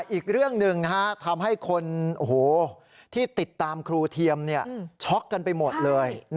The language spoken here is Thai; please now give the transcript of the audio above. อีกเรื่องหนึ่งทำให้คนที่ติดตามครูเทียมช็อกกันไปหมดเลย